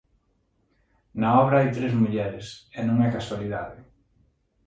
Na obra hai tres mulleres, e non é casualidade.